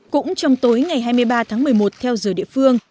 cũng trong tối ngày hai mươi ba tháng một mươi một theo giờ địa phương